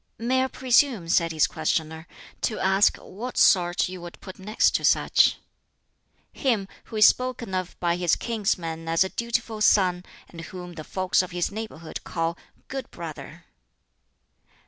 "May I presume," said his questioner, "to ask what sort you would put next to such?" "Him who is spoken of by his kinsmen as a dutiful son, and whom the folks of his neighborhood call' good brother.'"